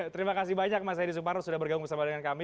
terima kasih banyak mas edi suparno sudah bergabung bersama dengan kami